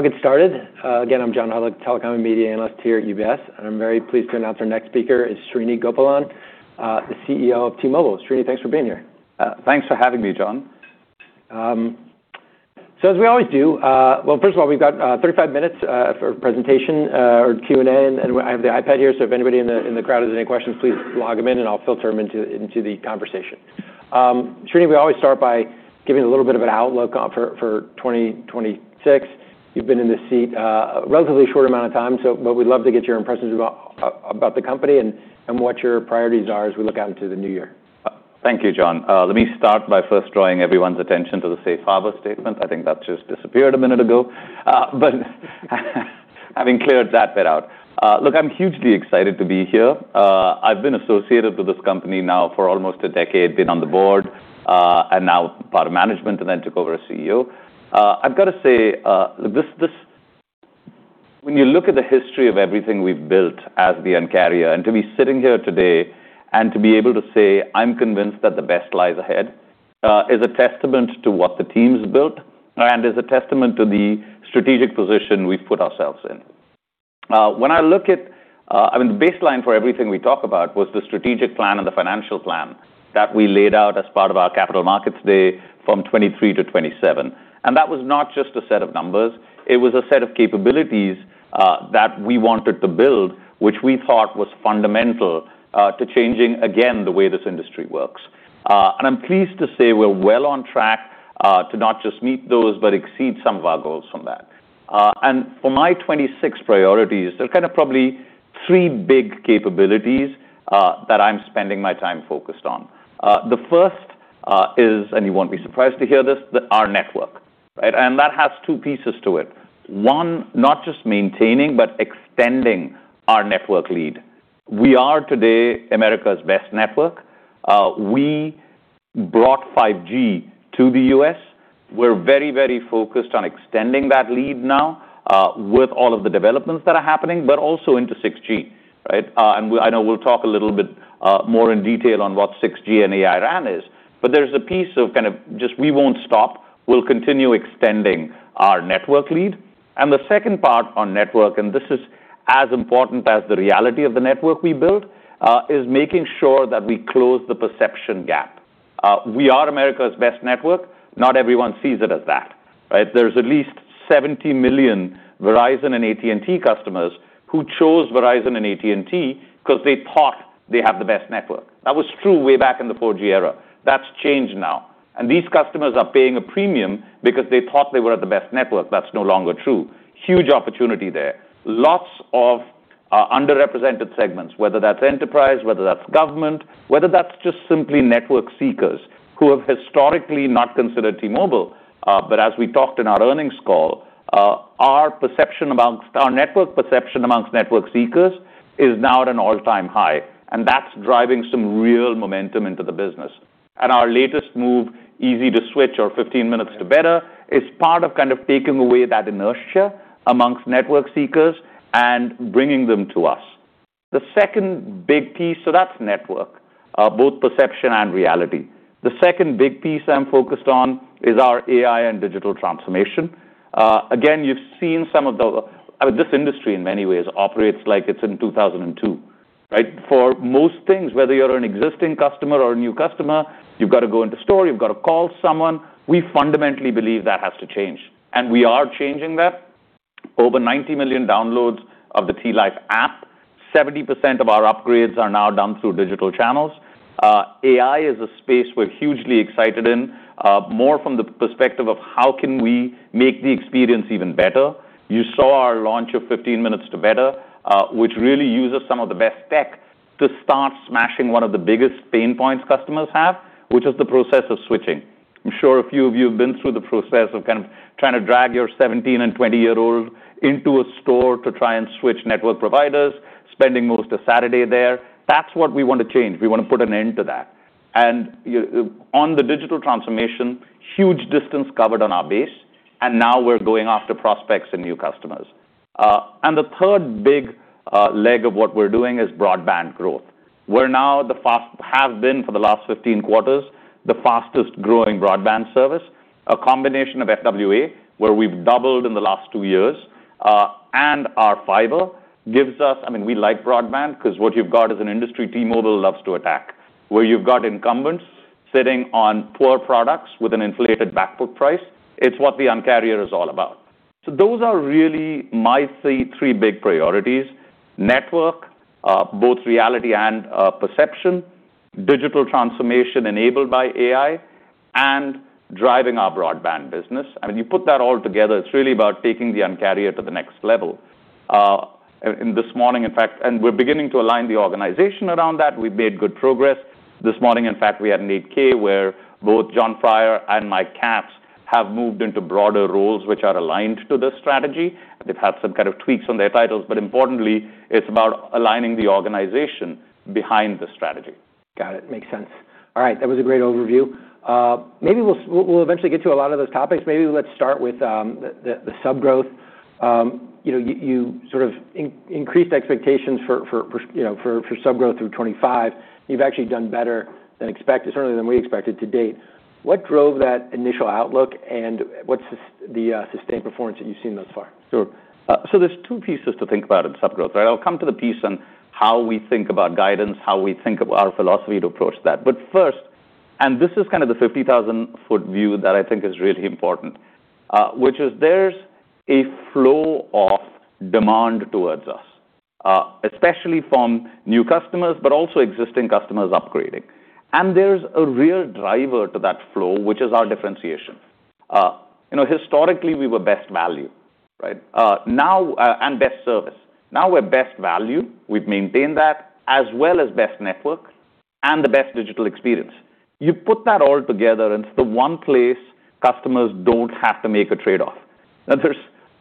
Get started again. I'm John Hodulik, Telecom and Media Analyst here at UBS. I'm very pleased to announce our next speaker is Srini Gopalan, the CEO of T-Mobile. Srini, thanks for being here. Thanks for having me, John. As we always do, well, first of all, we've got 35 minutes for presentation or Q&A. I have the iPad here. If anybody in the crowd has any questions, please log them in, and I'll filter them into the conversation. Srini, we always start by giving a little bit of an outlook for 2026. You've been in this seat a relatively short amount of time. But we'd love to get your impressions about the company and what your priorities are as we look out into the new year. Thank you, John. Let me start by first drawing everyone's attention to the Safe Harbor statement. I think that just disappeared a minute ago. But having cleared that bit out, look, I'm hugely excited to be here. I've been associated with this company now for almost a decade, been on the board, and now part of management, and then took over as CEO. I've got to say, look, this, this when you look at the history of everything we've built as the Un-carrier, and to be sitting here today and to be able to say, "I'm convinced that the best lies ahead," is a testament to what the team's built and is a testament to the strategic position we've put ourselves in. When I look at, I mean, the baseline for everything we talk about was the strategic plan and the financial plan that we laid out as part of our Capital Markets Day from 2023 to 2027. That was not just a set of numbers. It was a set of capabilities that we wanted to build, which we thought was fundamental to changing, again, the way this industry works. I'm pleased to say we're well on track to not just meet those but exceed some of our goals from that. For my 2026 priorities, there are kind of probably three big capabilities that I'm spending my time focused on. The first is, and you won't be surprised to hear this, our network, right? That has two pieces to it. One, not just maintaining but extending our network lead. We are today America's best network. We brought 5G to the U.S. We're very, very focused on extending that lead now, with all of the developments that are happening, but also into 6G, right? And I know we'll talk a little bit more in detail on what 6G and AI-RAN is, but there's a piece of kind of just we won't stop. We'll continue extending our network lead. And the second part on network, and this is as important as the reality of the network we built, is making sure that we close the perception gap. We are America's best network. Not everyone sees it as that, right? There's at least 70 million Verizon and AT&T customers who chose Verizon and AT&T because they thought they had the best network. That was true way back in the 4G era. That's changed now. And these customers are paying a premium because they thought they were at the best network. That's no longer true. Huge opportunity there. Lots of underrepresented segments, whether that's enterprise, whether that's government, whether that's just simply network seekers who have historically not considered T-Mobile. But as we talked in our earnings call, our perception among our network perception among network seekers is now at an all-time high. And that's driving some real momentum into the business. And our latest move, Easy to Switch, or 15 Minutes to Better, is part of kind of taking away that inertia among network seekers and bringing them to us. The second big piece, so that's network, both perception and reality. The second big piece I'm focused on is our AI and digital transformation. Again, you've seen some of the. I mean, this industry in many ways operates like it's in 2002, right? For most things, whether you're an existing customer or a new customer, you've got to go into store, you've got to call someone. We fundamentally believe that has to change, and we are changing that. Over 90 million downloads of the T-Life app. 70% of our upgrades are now done through digital channels. AI is a space we're hugely excited in, more from the perspective of how can we make the experience even better. You saw our launch of 15 Minutes to Better, which really uses some of the best tech to start smashing one of the biggest pain points customers have, which is the process of switching. I'm sure a few of you have been through the process of kind of trying to drag your 17- and 20-year-old into a store to try and switch network providers, spending most of Saturday there. That's what we want to change. We want to put an end to that, and you know, on the digital transformation, huge distance covered on our base. And now we're going after prospects and new customers. The third big leg of what we're doing is broadband growth. We're now the fastest we've been for the last 15 quarters, the fastest growing broadband service, a combination of FWA, where we've doubled in the last two years, and our fiber. I mean, we like broadband because what you've got as an industry, T-Mobile loves to attack, where you've got incumbents sitting on poor products with an inflated backbook price. It's what the Un-carrier is all about. Those are really my three big priorities: network, both reality and perception, digital transformation enabled by AI, and driving our broadband business. I mean, you put that all together, it's really about taking the Un-carrier to the next level. This morning, in fact, and we're beginning to align the organization around that. We've made good progress. This morning, in fact, we had an 8-K where both Jon Freier and Mike Katz have moved into broader roles which are aligned to this strategy. They've had some kind of tweaks on their titles. But importantly, it's about aligning the organization behind the strategy. Got it. Makes sense. All right. That was a great overview. Maybe we'll eventually get to a lot of those topics. Maybe let's start with the subgrowth. You know, you sort of increased expectations for subgrowth through 2025. You've actually done better than expected, certainly than we expected to date. What drove that initial outlook and what's the sustained performance that you've seen thus far? Sure. There's two pieces to think about in sub growth, right? I'll come to the piece on how we think about guidance, how we think about our philosophy to approach that. But first, and this is kind of the 50,000-foot view that I think is really important, which is there's a flow of demand towards us, especially from new customers but also existing customers upgrading. And there's a real driver to that flow, which is our differentiation. You know, historically, we were best value, right? Now, and best service. Now we're best value. We've maintained that as well as best network and the best digital experience. You put that all together, and it's the one place customers don't have to make a trade-off. Now, there's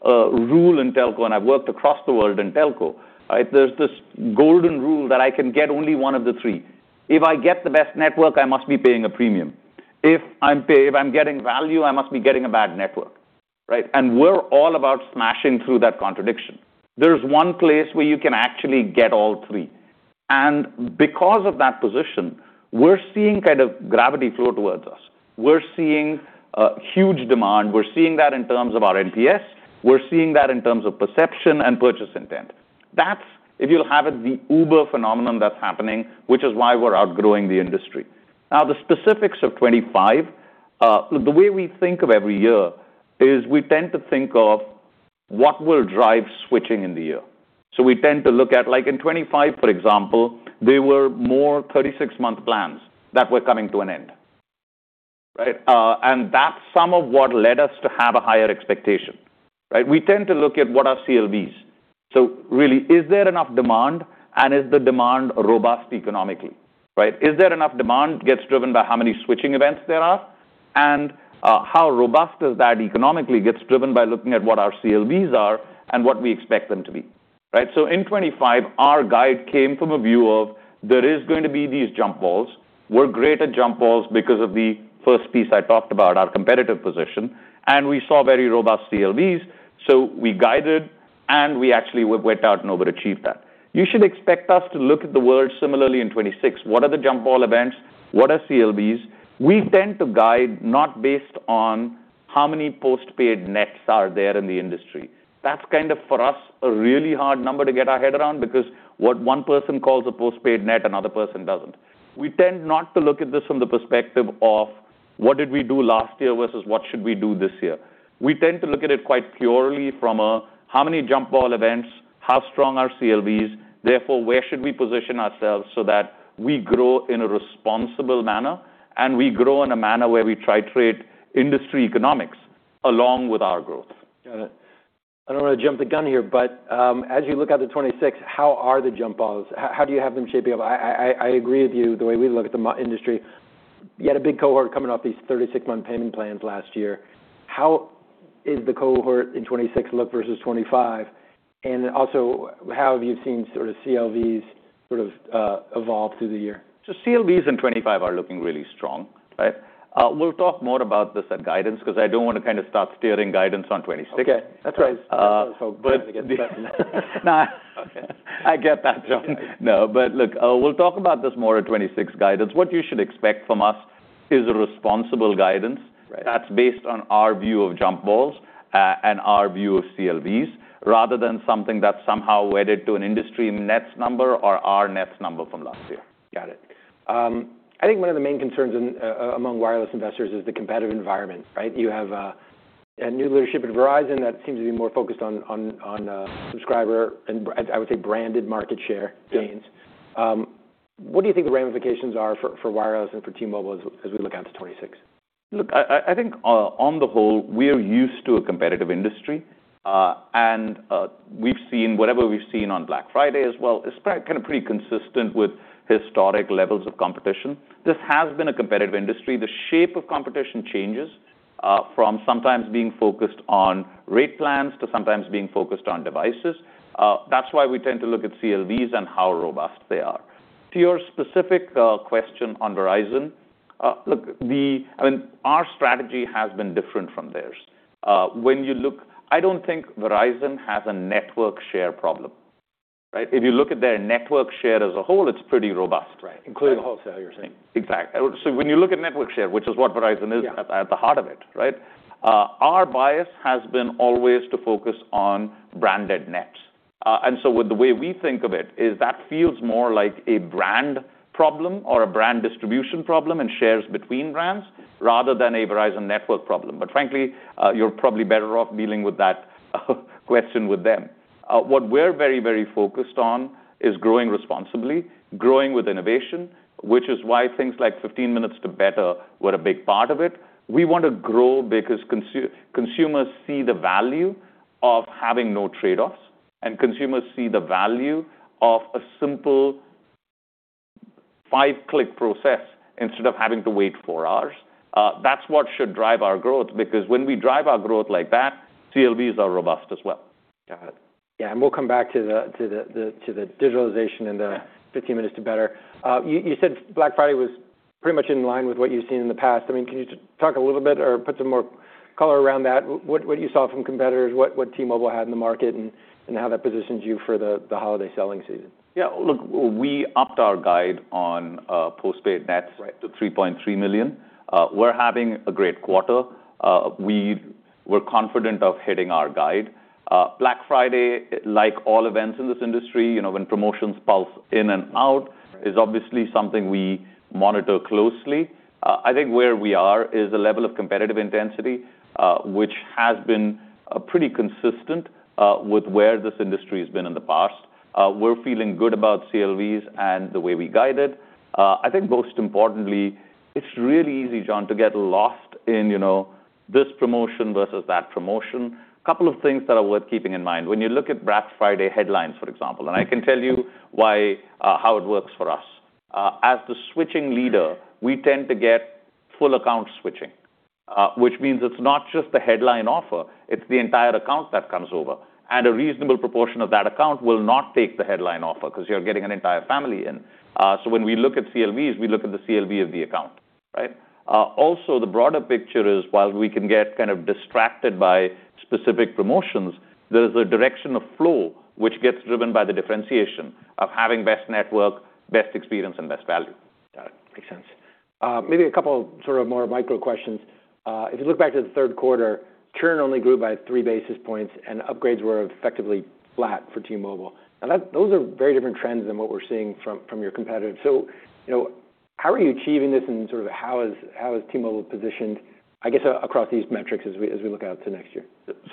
a rule in telco, and I've worked across the world in telco, right? There's this golden rule that I can get only one of the three. If I get the best network, I must be paying a premium. If I'm paying, if I'm getting value, I must be getting a bad network, right, and we're all about smashing through that contradiction. There's one place where you can actually get all three, and because of that position, we're seeing kind of gravity flow towards us. We're seeing huge demand. We're seeing that in terms of our NPS. We're seeing that in terms of perception and purchase intent. That's, if you'll have it, the Uber phenomenon that's happening, which is why we're outgrowing the industry. Now, the specifics of 2025, look, the way we think of every year is we tend to think of what will drive switching in the year. We tend to look at, like, in 2025, for example, there were more 36-month plans that were coming to an end, right? And that's some of what led us to have a higher expectation, right? We tend to look at what are CLVs. So really, is there enough demand, and is the demand robust economically, right? Is there enough demand? Gets driven by how many switching events there are. And, how robust is that economically gets driven by looking at what our CLVs are and what we expect them to be, right? So in 2025, our guide came from a view of there is going to be these jump balls. We're great at jump balls because of the first piece I talked about, our competitive position. And we saw very robust CLVs. We guided, and we actually went out and overachieved that. You should expect us to look at the world similarly in 2026. What are the jump ball events? What are CLVs? We tend to guide not based on how many postpaid nets are there in the industry. That's kind of, for us, a really hard number to get our head around because what one person calls a postpaid net, another person doesn't. We tend not to look at this from the perspective of what did we do last year versus what should we do this year. We tend to look at it quite purely from a how many jump ball events, how strong are CLVs, therefore, where should we position ourselves so that we grow in a responsible manner and we grow in a manner where we try to rate industry economics along with our growth. Got it. I don't want to jump the gun here, but as you look at the 2026, how are the jump balls? How do you have them shaping up? I agree with you, the way we look at the mobile industry. You had a big cohort coming off these 36-month payment plans last year. How is the cohort in 2026 look versus 2025? And also, how have you seen sort of CLVs evolve through the year? CLVs in 2025 are looking really strong, right? We'll talk more about this at guidance because I don't want to kind of start steering guidance on 2026. Okay. That's right. Go ahead and get started. I get that, John. No. But look, we'll talk about this more at 2026 guidance. What you should expect from us is a responsible guidance. That's based on our view of jump balls, and our view of CLVs rather than something that's somehow wedded to an industry nets number or our nets number from last year. Got it. I think one of the main concerns among wireless investors is the competitive environment, right? You have a new leadership at Verizon that seems to be more focused on subscriber and, I would say, branded market share gains. What do you think the ramifications are for wireless and for T-Mobile as we look out to 2026? Look, I think, on the whole, we're used to a competitive industry. We've seen whatever we've seen on Black Friday as well is per kind of pretty consistent with historic levels of competition. This has been a competitive industry. The shape of competition changes, from sometimes being focused on rate plans to sometimes being focused on devices. That's why we tend to look at CLVs and how robust they are. To your specific question on Verizon, look, I mean, our strategy has been different from theirs. When you look, I don't think Verizon has a network share problem, right? If you look at their network share as a whole, it's pretty robust. Right. Including wholesale, you're saying? Exactly. When you look at network share, which is what Verizon is at the heart of it, right? Our bias has been always to focus on branded nets, and so with the way we think of it is that feels more like a brand problem or a brand distribution problem and shares between brands rather than a Verizon network problem, but frankly, you're probably better off dealing with that question with them. What we're very, very focused on is growing responsibly, growing with innovation, which is why things like 15 Minutes to Better were a big part of it. We want to grow because consumers see the value of having no trade-offs, and consumers see the value of a simple five-click process instead of having to wait four hours. That's what should drive our growth because when we drive our growth like that, CLVs are robust as well. Got it. Yeah. And we'll come back to the digitalization and the 15 Minutes to Better. You said Black Friday was pretty much in line with what you've seen in the past. I mean, can you talk a little bit or put some more color around that? What you saw from competitors, what T-Mobile had in the market, and how that positioned you for the holiday selling season? Yeah. Look, we upped our guide on postpaid nets to 3.3 million. We're having a great quarter. We were confident of hitting our guide. Black Friday, like all events in this industry, you know, when promotions pulse in and out. It's obviously something we monitor closely. I think where we are is a level of competitive intensity, which has been pretty consistent with where this industry has been in the past. We're feeling good about CLVs and the way we guide it. I think most importantly, it's really easy, John, to get lost in, you know, this promotion versus that promotion. A couple of things that are worth keeping in mind. When you look at Black Friday headlines, for example, and I can tell you why and how it works for us. As the switching leader, we tend to get full account switching, which means it's not just the headline offer, it's the entire account that comes over. And a reasonable proportion of that account will not take the headline offer because you're getting an entire family in. So when we look at CLVs, we look at the CLV of the account, right? Also, the broader picture is while we can get kind of distracted by specific promotions, there is a direction of flow which gets driven by the differentiation of having best network, best experience, and best value. Got it. Makes sense. Maybe a couple sort of more micro questions. If you look back to the third quarter, churn only grew by 3 basis points, and upgrades were effectively flat for T-Mobile. Now, those are very different trends than what we're seeing from your competitors. So, you know, how are you achieving this and sort of how is T-Mobile positioned, I guess, across these metrics as we look out to next year?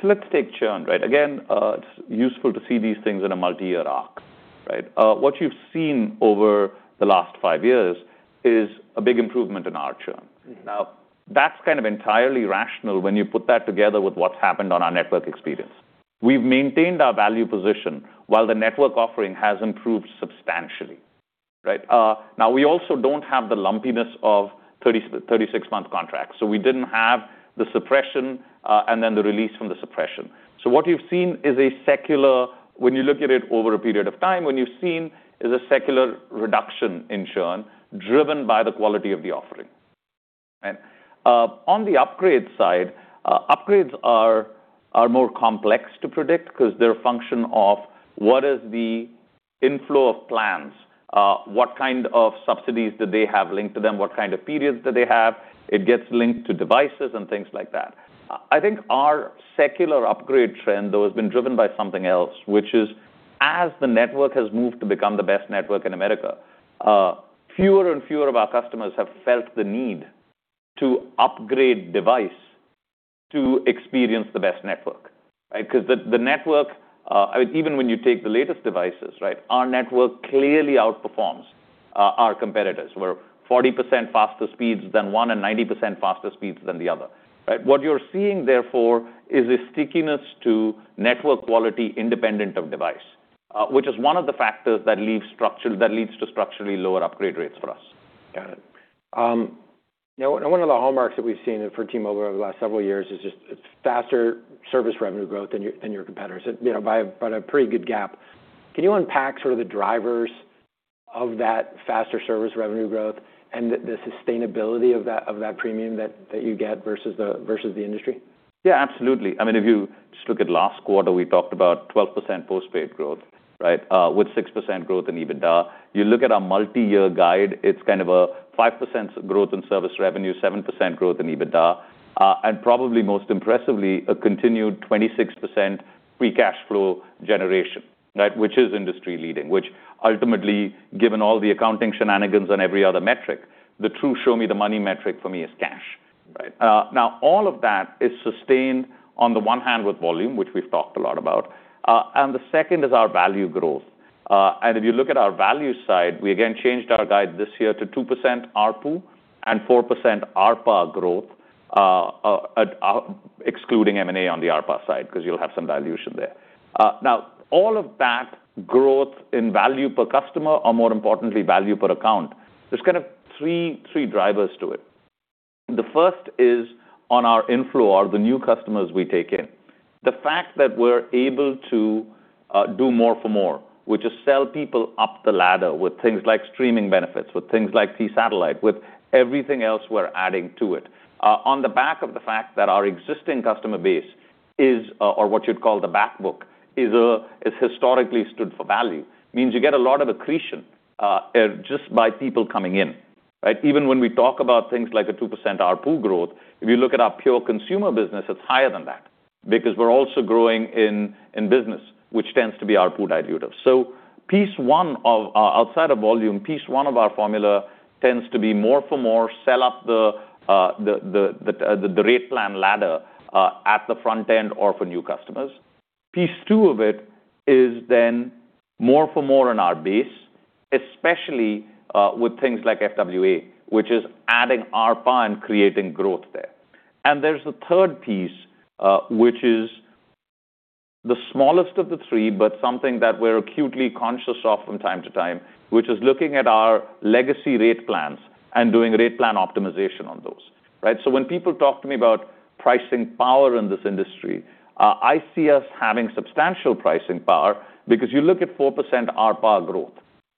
Let's take churn, right? Again, it's useful to see these things in a multi-year arc, right? What you've seen over the last five years is a big improvement in our churn. Now, that's kind of entirely rational when you put that together with what's happened on our network experience. We've maintained our value position while the network offering has improved substantially, right? Now, we also don't have the lumpiness of 30-36-month contracts. We didn't have the suppression, and then the release from the suppression. What you've seen when you look at it over a period of time is a secular reduction in churn driven by the quality of the offering, right? On the upgrade side, upgrades are more complex to predict because they're a function of what is the inflow of plans, what kind of subsidies do they have linked to them, what kind of periods do they have. It gets linked to devices and things like that. I think our secular upgrade trend, though, has been driven by something else, which is as the network has moved to become the best network in America, fewer and fewer of our customers have felt the need to upgrade device to experience the best network, right? Because the network, I mean, even when you take the latest devices, right, our network clearly outperforms our competitors. We're 40% faster speeds than one and 90% faster speeds than the other, right? What you're seeing, therefore, is a stickiness to network quality independent of device, which is one of the factors that leaves structure that leads to structurally lower upgrade rates for us. Got it. Now, one of the hallmarks that we've seen for T-Mobile over the last several years is just its faster service revenue growth than your competitors, you know, by a pretty good gap. Can you unpack sort of the drivers of that faster service revenue growth and the sustainability of that premium that you get versus the industry? Yeah, absolutely. I mean, if you just look at last quarter, we talked about 12% postpaid growth, right, with 6% growth in EBITDA. You look at our multi-year guide, it's kind of a 5% growth in service revenue, 7% growth in EBITDA, and probably most impressively, a continued 26% free cash flow generation, right, which is industry leading, which ultimately, given all the accounting shenanigans on every other metric, the true show-me-the-money metric for me is cash, right? Now, all of that is sustained on the one hand with volume, which we've talked a lot about, and the second is our value growth, and if you look at our value side, we again changed our guide this year to 2% ARPU and 4% ARPA growth, excluding M&A on the ARPA side because you'll have some dilution there. Now, all of that growth in value per customer or, more importantly, value per account, there's kind of three drivers to it. The first is on our inflow or the new customers we take in. The fact that we're able to do more for more, which is sell people up the ladder with things like streaming benefits, with things like T-Satellite, with everything else we're adding to it. On the back of the fact that our existing customer base is, or what you'd call the backbook, historically stood for value, means you get a lot of accretion, just by people coming in, right? Even when we talk about things like a 2% ARPU growth, if you look at our pure consumer business, it's higher than that because we're also growing in business, which tends to be ARPU dilutive. Piece one of, outside of volume, piece one of our formula tends to be more for more, sell up the rate plan ladder, at the front end or for new customers. Piece two of it is then more for more on our base, especially with things like FWA, which is adding ARPA and creating growth there. And there's the third piece, which is the smallest of the three, but something that we're acutely conscious of from time to time, which is looking at our legacy rate plans and doing rate plan optimization on those, right? So when people talk to me about pricing power in this industry, I see us having substantial pricing power because you look at 4% ARPA growth,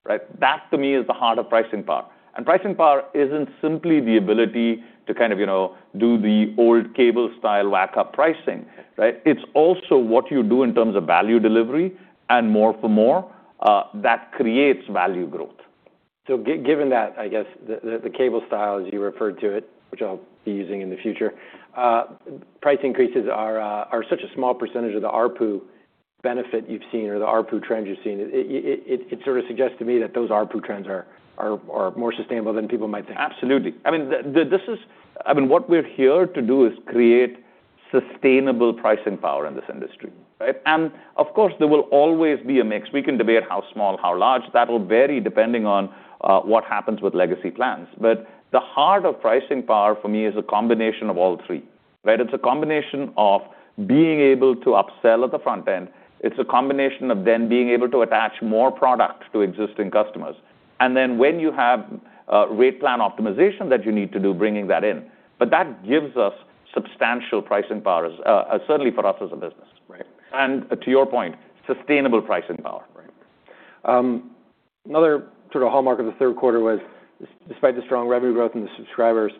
right? That, to me, is the heart of pricing power. Pricing power isn't simply the ability to kind of, you know, do the old cable-style whack-up pricing, right? It's also what you do in terms of value delivery and more for more, that creates value growth. Given that, I guess, the cable style, as you referred to it, which I'll be using in the future, price increases are such a small percentage of the ARPU benefit you've seen or the ARPU trend you've seen. It sort of suggests to me that those ARPU trends are more sustainable than people might think. Absolutely. I mean, this is I mean, what we're here to do is create sustainable pricing power in this industry, right? And of course, there will always be a mix. We can debate how small, how large. That'll vary depending on, what happens with legacy plans. But the heart of pricing power for me is a combination of all three, right? It's a combination of being able to upsell at the front end. It's a combination of then being able to attach more product to existing customers. And then when you have, rate plan optimization that you need to do, bringing that in. But that gives us substantial pricing power, certainly for us as a business. To your point, sustainable pricing power. Right. Another sort of hallmark of the third quarter was despite the strong revenue growth and the subscribers,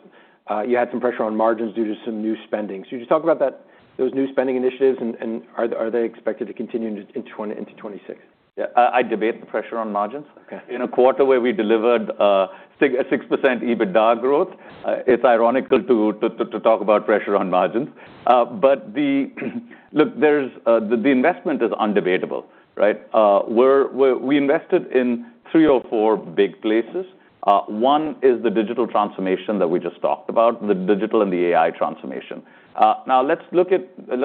you had some pressure on margins due to some new spending. So could you talk about that, those new spending initiatives, and are they expected to continue into 2025 into 2026? Yeah. I debate the pressure on margins. Okay. In a quarter where we delivered 6% EBITDA growth, it's ironical to talk about pressure on margins. But look, the investment is undebatable, right? We invested in three or four big places. One is the digital transformation that we just talked about, the digital and the AI transformation. Now, let's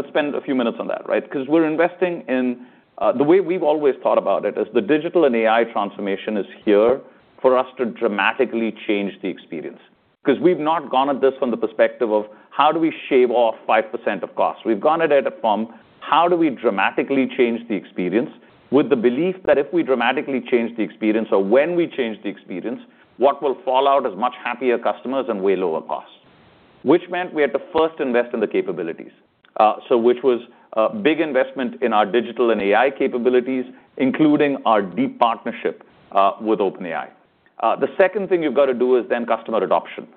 spend a few minutes on that, right? Because we're investing in the way we've always thought about it is the digital and AI transformation is here for us to dramatically change the experience because we've not gone at this from the perspective of how do we shave off 5% of costs. We've gone at it from how do we dramatically change the experience with the belief that if we dramatically change the experience or when we change the experience, what will fall out is much happier customers and way lower costs, which meant we had to first invest in the capabilities, so which was a big investment in our digital and AI capabilities, including our deep partnership with OpenAI. The second thing you've got to do is then customer adoption,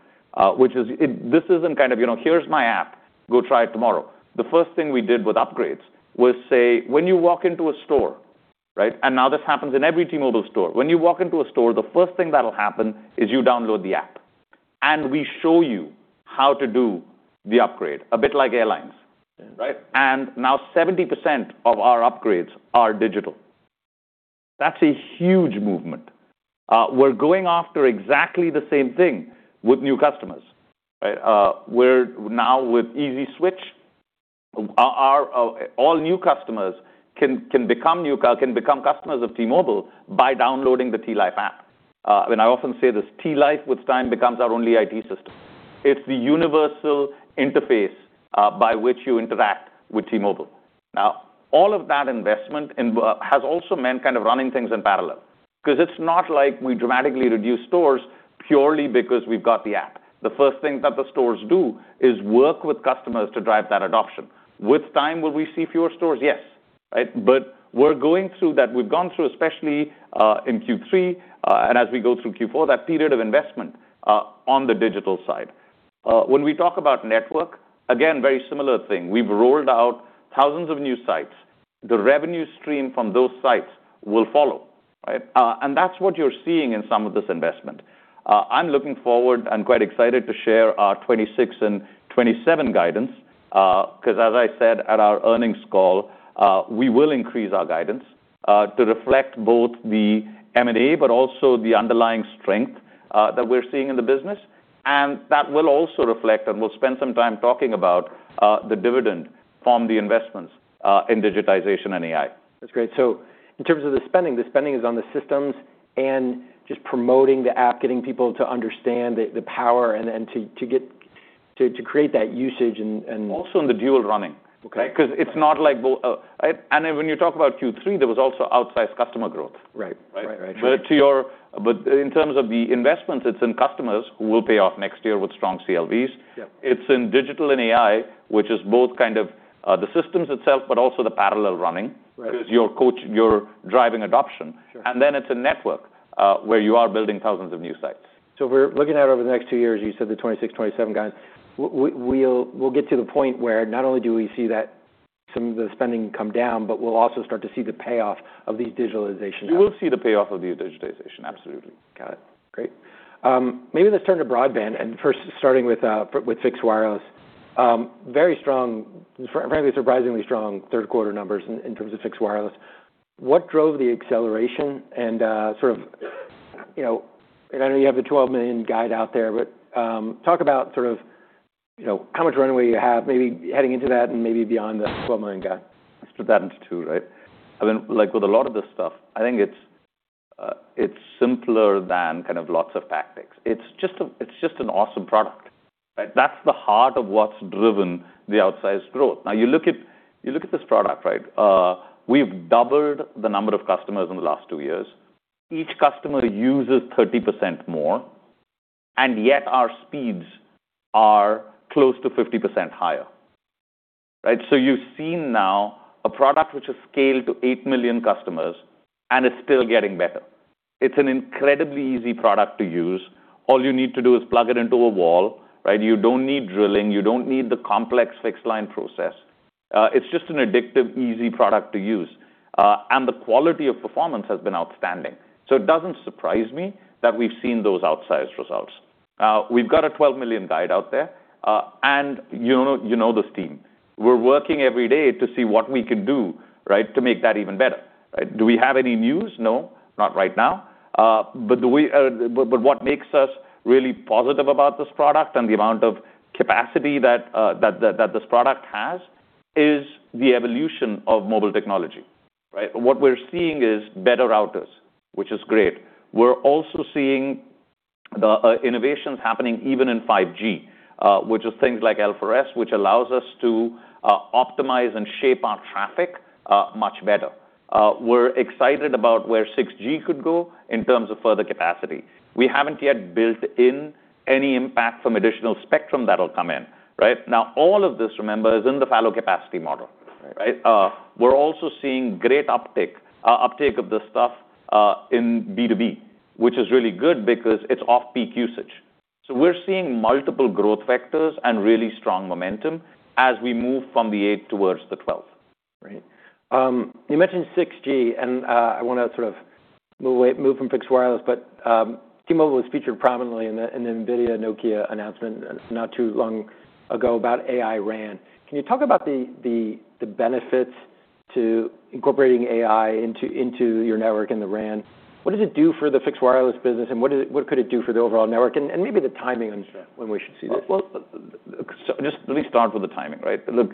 which is it this isn't kind of, you know, here's my app, go try it tomorrow. The first thing we did with upgrades was say, when you walk into a store, right, and now this happens in every T-Mobile store, when you walk into a store, the first thing that'll happen is you download the app, and we show you how to do the upgrade, a bit like airlines, right? And now 70% of our upgrades are digital. That's a huge movement. We're going after exactly the same thing with new customers, right? We're now with Easy Switch; all new customers can become customers of T-Mobile by downloading the T-Life app. And I often say this. T-Life with time becomes our only IT system. It's the universal interface by which you interact with T-Mobile. Now, all of that investment in has also meant kind of running things in parallel because it's not like we dramatically reduce stores purely because we've got the app. The first thing that the stores do is work with customers to drive that adoption. With time, will we see fewer stores? Yes, right? But we're going through that. We've gone through, especially, in Q3, and as we go through Q4, that period of investment on the digital side. When we talk about network, again, very similar thing. We've rolled out thousands of new sites. The revenue stream from those sites will follow, right? And that's what you're seeing in some of this investment. I'm looking forward and quite excited to share our 2026 and 2027 guidance, because, as I said at our earnings call, we will increase our guidance, to reflect both the M&A but also the underlying strength, that we're seeing in the business. And that will also reflect, and we'll spend some time talking about, the dividend from the investments, in digitization and AI. That's great. So in terms of the spending, the spending is on the systems and just promoting the app, getting people to understand the power and to create that usage and. Also in the dual running, right? Because it's not like both, and when you talk about Q3, there was also outsized customer growth. Right. But to your in terms of the investments, it's in customers who will pay off next year with strong CLVs. It's in digital and AI, which is both kind of, the systems itself but also the parallel running. Because you're coach, you're driving adoption. And then it's a network, where you are building thousands of new sites. If we're looking at over the next two years, you said the 2026, 2027 guidance. We'll get to the point where not only do we see that some of the spending come down, but we'll also start to see the payoff of these digitalizations. We will see the payoff of these digitizations, absolutely. Got it. Great. Maybe let's turn to broadband and first starting with fixed wireless. Very strong, frankly, surprisingly strong third quarter numbers in terms of fixed wireless. What drove the acceleration and, sort of, you know, and I know you have the 12 million guide out there, but talk about sort of, you know, how much runway you have, maybe heading into that and maybe beyond the 12 million guide? Split that into two, right? I mean, like with a lot of this stuff, I think it's, it's simpler than kind of lots of tactics. It's just a it's just an awesome product, right? That's the heart of what's driven the outsized growth. Now, you look at you look at this product, right? We've doubled the number of customers in the last two years. Each customer uses 30% more, and yet our speeds are close to 50% higher, right? So you've seen now a product which has scaled to 8 million customers, and it's still getting better. It's an incredibly easy product to use. All you need to do is plug it into a wall, right? You don't need drilling. You don't need the complex fixed line process. It's just an addictive, easy product to use, and the quality of performance has been outstanding. It doesn't surprise me that we've seen those outsized results. We've got a 12 million guide out there, and you know this team. We're working every day to see what we can do, right, to make that even better, right? Do we have any news? No, not right now, but what makes us really positive about this product and the amount of capacity that this product has is the evolution of mobile technology, right? What we're seeing is better routers, which is great. We're also seeing innovations happening even in 5G, which is things like L4S, which allows us to optimize and shape our traffic much better. We're excited about where 6G could go in terms of further capacity. We haven't yet built in any impact from additional spectrum that'll come in, right? Now, all of this, remember, is in the fallow capacity model, right? We're also seeing great uptick, uptake of this stuff, in B2B, which is really good because it's off-peak usage. We're seeing multiple growth factors and really strong momentum as we move from the 8 million towards the 12 million. Right. You mentioned 6G, and I want to sort of move from fixed wireless, but T-Mobile was featured prominently in the NVIDIA, Nokia announcement not too long ago about AI-RAN. Can you talk about the benefits to incorporating AI into your network in the RAN? What does it do for the fixed wireless business, and what could it do for the overall network and maybe the timing on when we should see this? Just let me start with the timing, right? Look,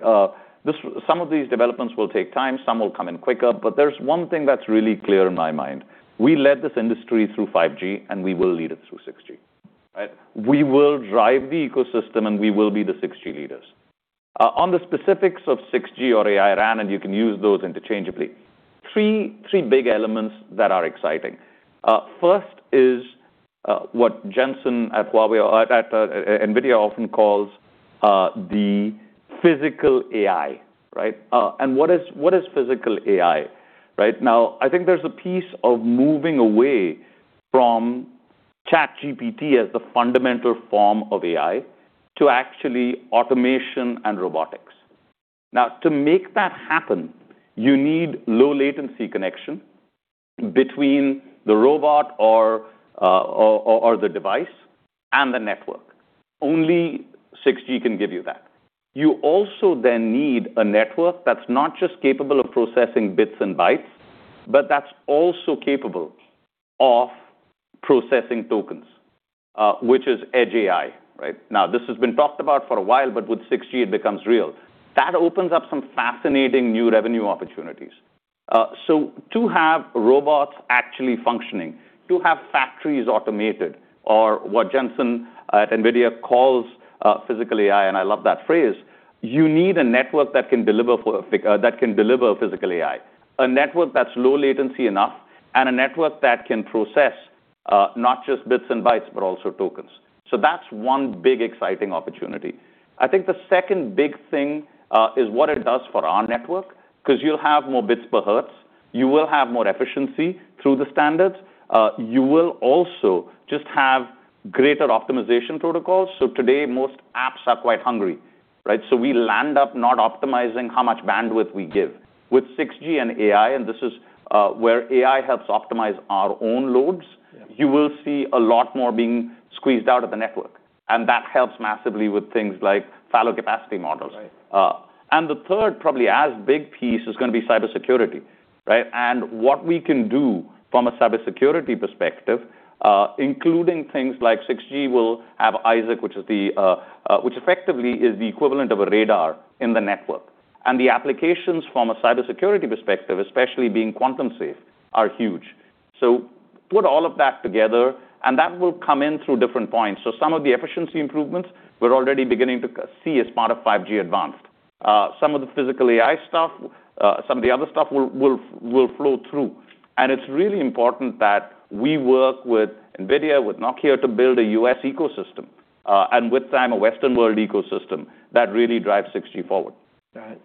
some of these developments will take time. Some will come in quicker. But there's one thing that's really clear in my mind. We led this industry through 5G, and we will lead it through 6G, right? We will drive the ecosystem, and we will be the 6G leaders. On the specifics of 6G or AI-RAN, and you can use those interchangeably, three big elements that are exciting. First is what Jensen at NVIDIA often calls the physical AI, right? And what is physical AI, right? Now, I think there's a piece of moving away from ChatGPT as the fundamental form of AI to actually automation and robotics. Now, to make that happen, you need low-latency connection between the robot or the device and the network. Only 6G can give you that. You also then need a network that's not just capable of processing bits and bytes, but that's also capable of processing tokens, which is edge AI, right? Now, this has been talked about for a while, but with 6G, it becomes real. That opens up some fascinating new revenue opportunities. So to have robots actually functioning, to have factories automated, or what Jensen, at NVIDIA calls, physical AI, and I love that phrase, you need a network that can deliver for, that can deliver physical AI, a network that's low-latency enough, and a network that can process, not just bits and bytes, but also tokens. So that's one big exciting opportunity. I think the second big thing, is what it does for our network because you'll have more bits per hertz. You will have more efficiency through the standards. You will also just have greater optimization protocols. So today, most apps are quite hungry, right? We'll end up not optimizing how much bandwidth we give. With 6G and AI, and this is, where AI helps optimize our own loads, you will see a lot more being squeezed out of the network, and that helps massively with things like fallow capacity models. Right. And the third, probably as big piece, is going to be cybersecurity, right? And what we can do from a cybersecurity perspective, including things like 6G will have ISAC, which effectively is the equivalent of a radar in the network. And the applications from a cybersecurity perspective, especially being quantum safe, are huge. Put all of that together, and that will come in through different points. Some of the efficiency improvements we're already beginning to see as part of 5G Advanced. Some of the physical AI stuff, some of the other stuff will flow through. And it's really important that we work with NVIDIA, with Nokia to build a U.S. ecosystem, and with time, a Western world ecosystem that really drives 6G forward. Got it.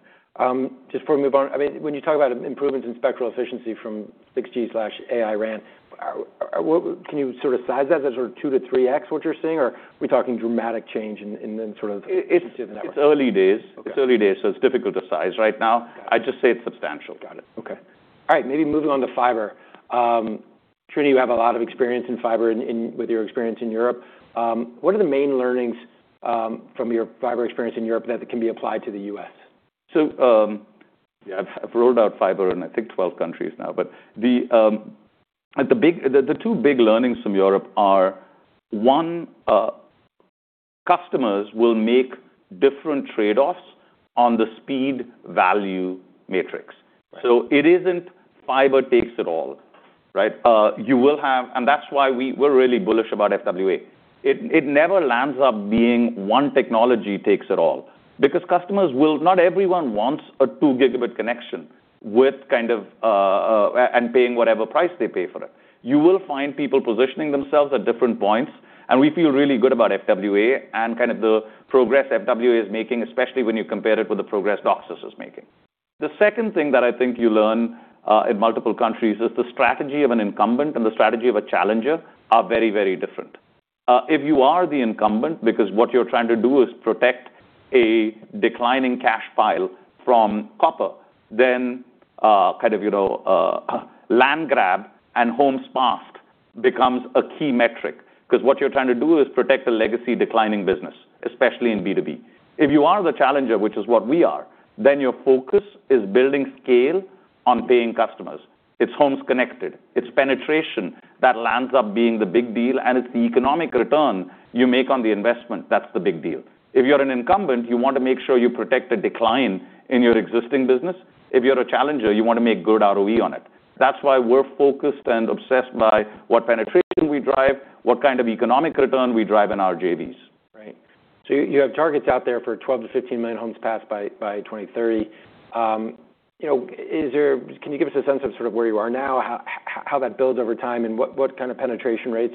Just before we move on, I mean, when you talk about improvements in spectral efficiency from 6G/AI-RAN, what can you sort of size that? Is that sort of two to three X what you're seeing, or are we talking dramatic change in in sort of efficiency of the network? It's early days. It's early days, so it's difficult to size right now. I'd just say it's substantial. Got it. Okay. All right. Maybe moving on to fiber. Srini, you have a lot of experience in fiber with your experience in Europe. What are the main learnings from your fiber experience in Europe that can be applied to the U.S.? So, yeah, I've rolled out fiber in, I think, 12 countries now. But the two big learnings from Europe are one, customers will make different trade-offs on the speed value matrix. It isn't fiber takes it all, right? You will have, and that's why we're really bullish about FWA. It never ends up being one technology takes it all because customers will not, everyone wants a 2 Gb connection with kind of, and paying whatever price they pay for it. You will find people positioning themselves at different points, and we feel really good about FWA and kind of the progress FWA is making, especially when you compare it with the progress DOCSIS is making. The second thing that I think you learn in multiple countries is the strategy of an incumbent and the strategy of a challenger are very, very different. If you are the incumbent because what you're trying to do is protect a declining cash pile from copper, then, kind of, you know, land grab and homes passed becomes a key metric because what you're trying to do is protect a legacy declining business, especially in B2B. If you are the challenger, which is what we are, then your focus is building scale on paying customers. It's homes connected. It's penetration that ends up being the big deal, and it's the economic return you make on the investment. That's the big deal. If you're an incumbent, you want to make sure you protect a decline in your existing business. If you're a challenger, you want to make good ROE on it. That's why we're focused and obsessed by what penetration we drive, what kind of economic return we drive in our JVs. Right. So you have targets out there for 12-15 million homes passed by 2030. You know, can you give us a sense of sort of where you are now, how that builds over time and what kind of penetration rates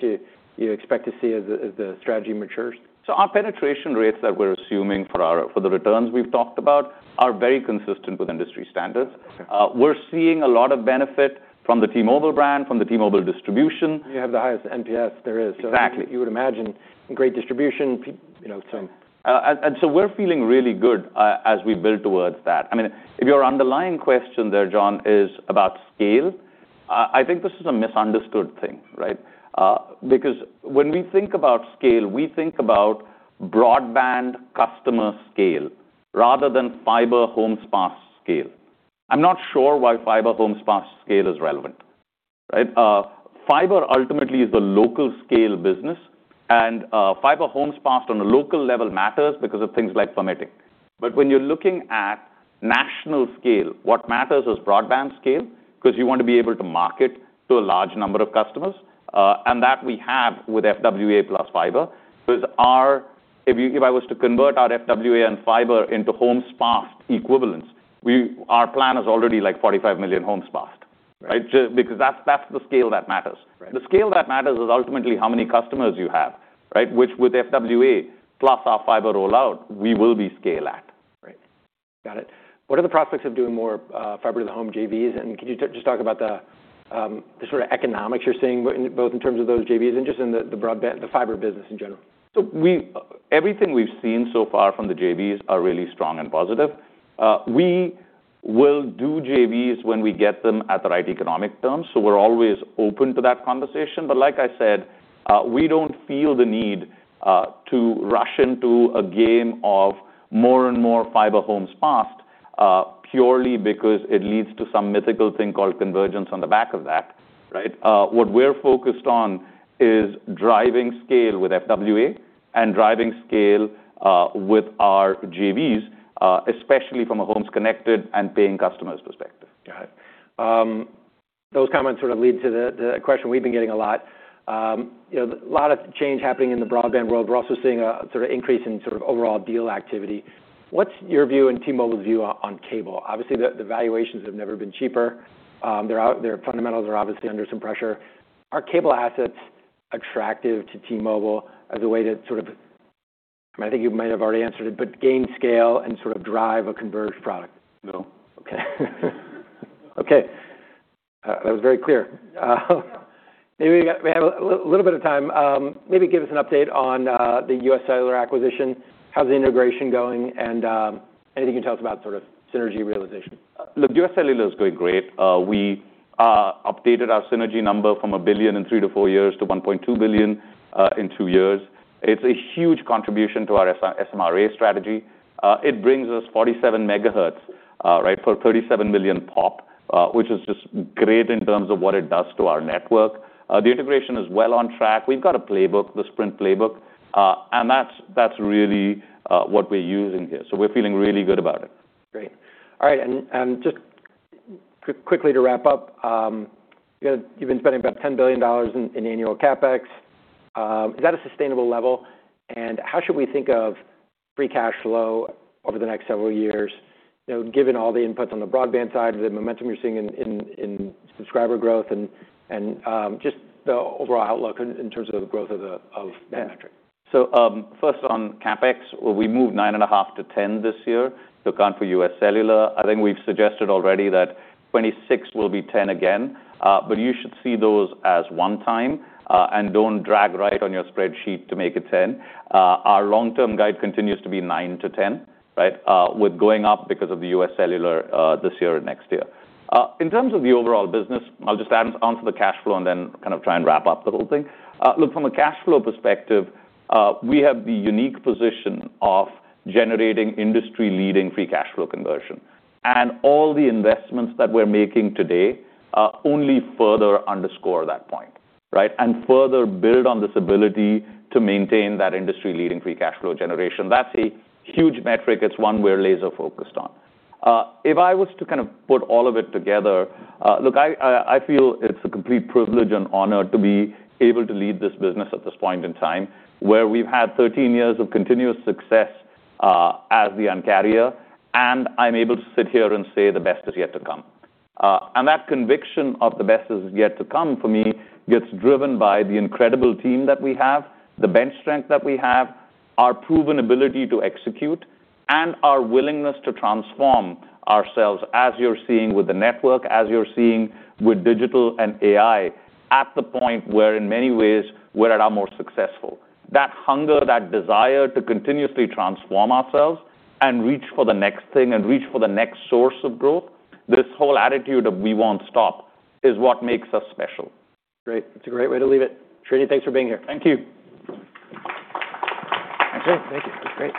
you expect to see as the strategy matures? Our penetration rates that we're assuming for the returns we've talked about are very consistent with industry standards. We're seeing a lot of benefit from the T-Mobile brand, from the T-Mobile distribution. You have the highest NPS there is. You would imagine great distribution, you know, some. We're feeling really good as we build towards that. I mean, if your underlying question there, John, is about scale, I think this is a misunderstood thing, right? Because when we think about scale, we think about broadband customer scale rather than fiber homes passed scale. I'm not sure why fiber homes passed scale is relevant, right? Fiber ultimately is a local scale business, and fiber homes passed on a local level matters because of things like permitting. But when you're looking at national scale, what matters is broadband scale because you want to be able to market to a large number of customers. And that we have with FWA plus fiber. If I was to convert our FWA and fiber into homes passed equivalents, our plan is already like 45 million homes passed, right? Just because that's the scale that matters. The scale that matters is ultimately how many customers you have, right? Which, with FWA plus our fiber rollout, we will be at scale. Right. Got it. What are the prospects of doing more, fiber to the home JVs? And can you just talk about the, the sort of economics you're seeing both in terms of those JVs and just in the, the broadband, the fiber business in general? Everything we've seen so far from the JVs are really strong and positive. We will do JVs when we get them at the right economic terms. We're always open to that conversation. But like I said, we don't feel the need to rush into a game of more and more fiber homes passed, purely because it leads to some mythical thing called convergence on the back of that, right? What we're focused on is driving scale with FWA and driving scale with our JVs, especially from a homes connected and paying customers perspective. Got it. Those comments sort of lead to the question we've been getting a lot. You know, a lot of change happening in the broadband world. We're also seeing a sort of increase in sort of overall deal activity. What's your view and T-Mobile's view on, on cable? Obviously, the valuations have never been cheaper. They're out there, their fundamentals are obviously under some pressure. Are cable assets attractive to T-Mobile as a way to sort of, I mean, I think you might have already answered it, but gain scale and sort of drive a converged product? No. Okay. That was very clear. Maybe we have a little bit of time. Maybe give us an update on the UScellular acquisition. How's the integration going? And anything you can tell us about sort of synergy realization? Look, UScellular is going great. We updated our synergy number from $1 billion in 3-4 years to $1.2 billion in 2 years. It's a huge contribution to our SMRA strategy. It brings us 47 MHz, right, for 37 million pop, which is just great in terms of what it does to our network. The integration is well on track. We've got a playbook, the Sprint playbook, and that's really what we're using here. We're feeling really good about it. Great. All right. And just quickly to wrap up, you've been spending about $10 billion in annual CapEx. Is that a sustainable level? And how should we think of free cash flow over the next several years, you know, given all the inputs on the broadband side, the momentum you're seeing in subscriber growth and just the overall outlook in terms of the growth of that metric? First on CapEx, we moved $9.5 billion to $10 billion this year to account for UScellular. I think we've suggested already that 2026 will be $10 billion again. But you should see those as one-time, and don't drag right on your spreadsheet to make it $10 billion. Our long-term guide continues to be $9 billion to $10 billion, right, with going up because of the UScellular, this year and next year. In terms of the overall business, I'll just answer the cash flow and then kind of try and wrap up the whole thing. Look, from a cash flow perspective, we have the unique position of generating industry-leading free cash flow conversion. And all the investments that we're making today, only further underscore that point, right, and further build on this ability to maintain that industry-leading free cash flow generation. That's a huge metric. It's one we're laser-focused on. If I was to kind of put all of it together, look, I feel it's a complete privilege and honor to be able to lead this business at this point in time where we've had 13 years of continuous success, as the Un-carrier, and I'm able to sit here and say the best is yet to come, and that conviction of the best is yet to come for me gets driven by the incredible team that we have, the bench strength that we have, our proven ability to execute, and our willingness to transform ourselves, as you're seeing with the network, as you're seeing with digital and AI at the point where, in many ways, we're at our most successful. That hunger, that desire to continuously transform ourselves and reach for the next thing and reach for the next source of growth, this whole attitude of we won't stop is what makes us special. Great. It's a great way to leave it. Srini, thanks for being here. Thank you. Thank you. That's great.